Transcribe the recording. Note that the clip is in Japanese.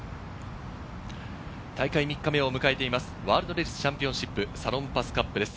大会３日目を迎えています、ワールドレディスチャンピオンシップサロンパスカップです。